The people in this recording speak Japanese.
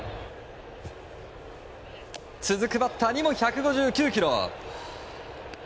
続くバッターにも１５９キロ。